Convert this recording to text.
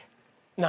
何？